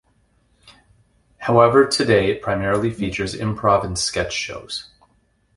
However, today it primarily features improv and sketch shows.